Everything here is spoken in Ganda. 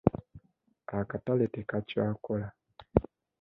Akatale tekakyakola.